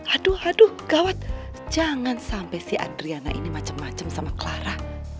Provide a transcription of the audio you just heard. aduh aduh gawat jangan sampai si adriana ini macam macam sama clara